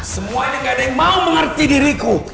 semuanya gak ada yang mau mengerti diriku